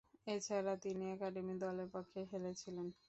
এছাড়াও, তিনি একাডেমি দলের পক্ষে খেলেছিলেন।